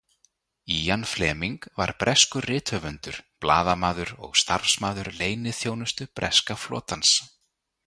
Ian Fleming var breskur rithöfundur, blaðamaður og starfsmaður leyniþjónustu breska flotans.